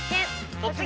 「突撃！